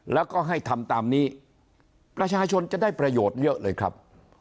แล้วก็ให้ทำตามนี้ประชาชนจะได้ประโยชน์เยอะเลยครับ